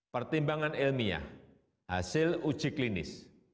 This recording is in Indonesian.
pertimbangan ilmiah hasil uji klinis